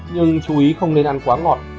nhưng chú ý không nên ăn quá ngọt